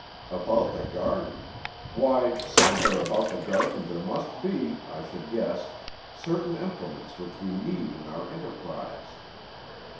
"About the garden? Why, somewhere about the garden there must be, I should guess, certain implements which we need in our enterprise."